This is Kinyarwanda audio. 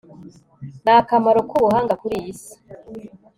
ni akamaro k'ubuhanga kuri iyi si